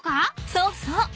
そうそう。